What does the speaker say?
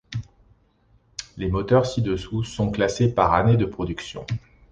Les moteurs ci-dessous sont classés par année de production.